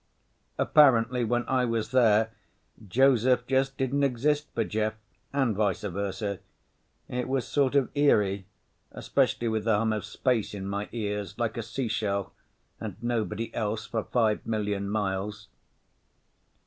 Apparently when I was there, Joseph just didn't exist for Jeff. And vice versa. It was sort of eerie, especially with the hum of space in my ears like a seashell and nobody else for five million miles.